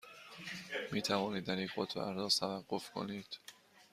می توانید در یک خودپرداز توقف کنید؟